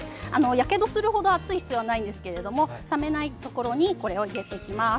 やけどする程熱い必要はないですけど冷めないうちにこちらを入れていきます。